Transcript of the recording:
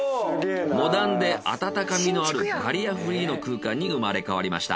モダンで温かみのあるバリアフリーの空間に生まれ変わりました。